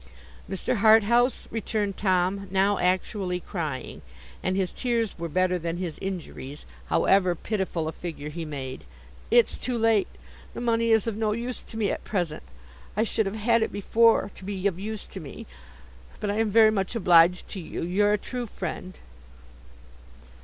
'Mr. Harthouse,' returned Tom, now actually crying; and his tears were better than his injuries, however pitiful a figure he made: 'it's too late; the money is of no use to me at present. I should have had it before to be of use to me. But I am very much obliged to you; you're a true friend.